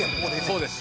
「そうです」